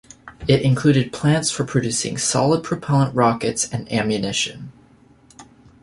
It included plants for producing solid-propellant rockets and ammunition.